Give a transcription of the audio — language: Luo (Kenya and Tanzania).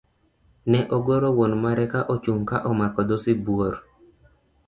Ne ogoro wuon mare ka ochung' ka omako dhoo sibuor.